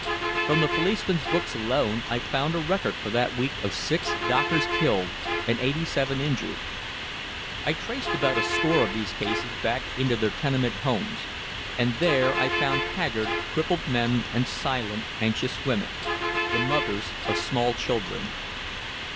From the policemen's books alone I found a record for that week of six dockers killed and eighty seven injured. I traced about a score of these cases back into their tenement homes, and there I found haggard, crippled men and silent, anxious women, the mothers of small children.